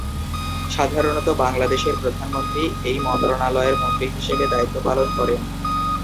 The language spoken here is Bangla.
সাধারনত বাংলাদেশের প্রধানমন্ত্রী এই মন্ত্রণালয়ের মন্ত্রী হিসেবে দায়িত্ব পালন করেন।